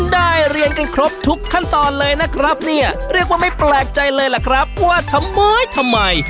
ได้เรียนกันครบทุกขั้นตอนเลยนะครับเนี่ยเรียกว่าไม่แปลกใจเลยล่ะครับว่าทำไมทำไม